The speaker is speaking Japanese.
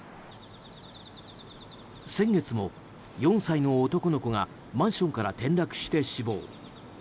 先月も、４歳の男の子がマンションから転落して死亡。